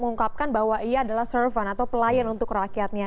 mengungkapkan bahwa ia adalah serven atau pelayan untuk rakyatnya